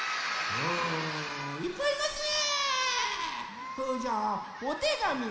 おいっぱいいますね。